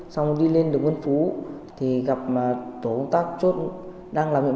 xong đi lên đường vân phú thì gặp tổ công tác chốt đang làm việc